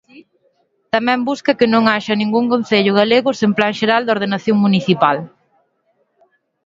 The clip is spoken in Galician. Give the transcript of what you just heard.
Tamén busca que non haxa ningún concello galego sen plan xeral de ordenación municipal.